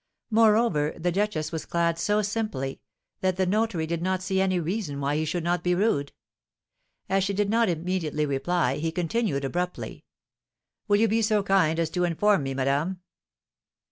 Moreover, the duchess was clad so simply, that the notary did not see any reason why he should not be rude. As she did not immediately reply, he continued, abruptly: "Will you be so kind as to inform me, madame?"